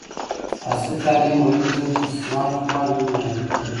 عصري تعلیم مهم دی ځکه چې د سمارټ فارمینګ معرفي کوي.